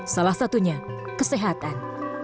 salah satunya kesehatan